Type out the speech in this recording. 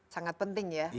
sangat penting ya